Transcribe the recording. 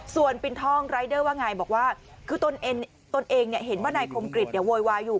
ส่วนปินทองรายเดอร์ว่าไงบอกว่าคือตนเองเห็นว่านายคมกริจโวยวายอยู่